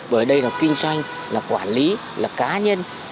bởi đây là kinh doanh là quản lý là cá nhân